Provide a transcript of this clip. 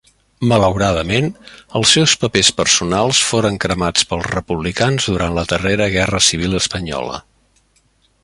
Malauradament, els seus papers personals foren cremats pels republicans durant la darrera Guerra Civil espanyola.